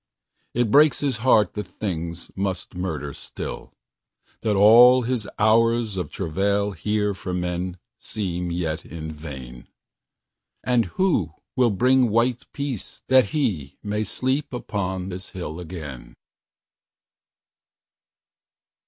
It breaks his heart that things must murder still, That all his hours of travail here for menSeem yet in vain. And who will bring white peaceThat he may sleep upon his hill again?